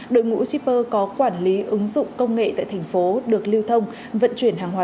đội ngũ shipper có quản lý ứng dụng công nghệ tại thành phố được lưu thông vận chuyển hàng hóa